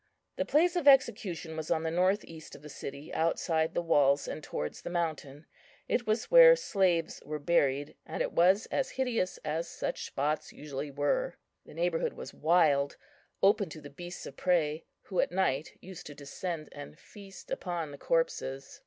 The place of execution was on the north east of the city, outside the walls, and towards the mountain. It was where slaves were buried, and it was as hideous as such spots usually were. The neighbourhood was wild, open to the beasts of prey, who at night used to descend and feast upon the corpses.